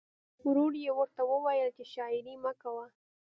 ورور یې ورته وویل چې شاعري مه کوه